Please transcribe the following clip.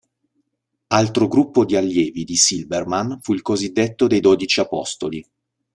Altro gruppo di allievi di Silbermann fu il cosiddetto "dei dodici apostoli".